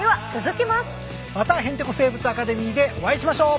また「へんてこ生物アカデミー」でお会いしましょう。